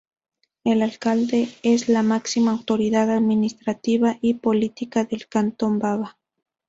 El Alcalde es la máxima autoridad administrativa y política del cantón Baba.